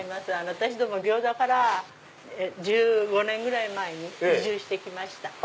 私ども行田から１５年ぐらい前に移住して来ました。